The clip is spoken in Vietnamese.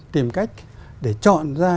tìm cách để chọn ra